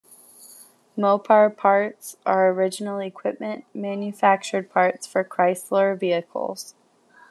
Mopar parts are original equipment manufactured parts for Chrysler vehicles.